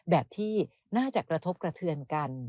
แบบที่น่าจะกระทบกระเทือนกัน